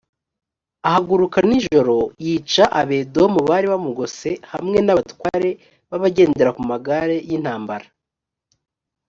ahaguruka nijoro yica abedomu bari bamugose hamwe n abatware b abagendera ku magare y intambara